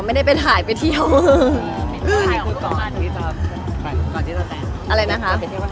มีการไปที่ก่อนที่เดียวแฟนก์